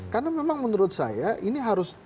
karena memang menurut saya ini harus